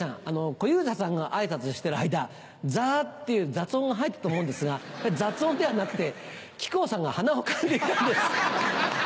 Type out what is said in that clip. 小遊三さんが挨拶してる間ザっていう雑音が入ったと思うんですが雑音ではなくて木久扇さんがはなをかんでいたんです。